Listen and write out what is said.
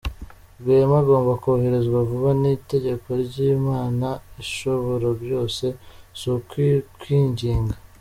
Rwema agomba koherezwa vuba, ni itegeko ry’Imana Ishoborabyose, si ukukwinginga.